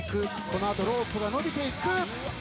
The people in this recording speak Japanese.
この後ロープが伸びていく。